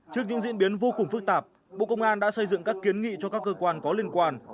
trước những diễn biến vô cùng phức tạp bộ công an đã xây dựng các kiến nghị cho các cơ quan có liên quan